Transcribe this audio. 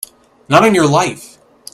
Not on your life!